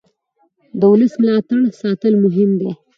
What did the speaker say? د ولس ملاتړ ساتل مهم دي